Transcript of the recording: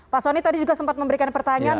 pak soni tadi juga sempat memberikan pertanyaan